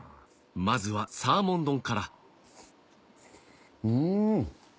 まずはサーモン丼からうん！